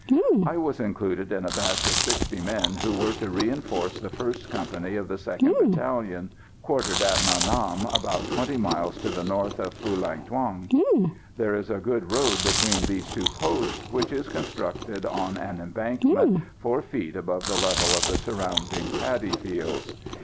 I was included in a batch of sixty men who were to reinforce the 1st Company of the 2nd Battalion, quartered at Nha Nam, about 21 miles to the north of Phulang Thuong. There is a good road between these two points, which is constructed on an embankment 4 feet above the level of the surrounding paddy fields.